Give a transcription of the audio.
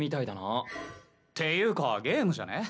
っていうかゲームじゃね？